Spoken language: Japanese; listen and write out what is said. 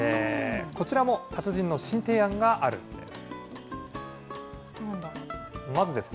こちらも達人の新提案があるんです。